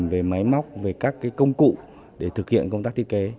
về máy móc về các công cụ để thực hiện công tác thiết kế